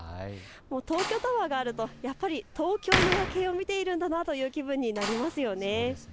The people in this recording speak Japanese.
東京タワーがあるとやっぱり東京の夜景を見ているんだなという気分になりますよね。